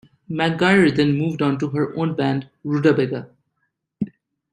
McGuire then moved on to her own band, Rhudabega.